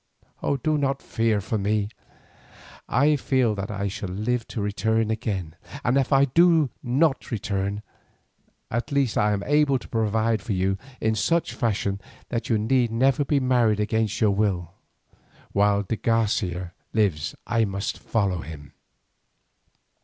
Do not fear for me, I feel that I shall live to return again, and if I do not return, at least I am able to provide for you in such fashion that you need never be married against your will. While de Garcia lives I must follow him."